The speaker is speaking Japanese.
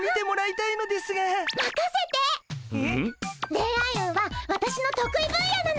恋愛運はわたしの得意分野なの！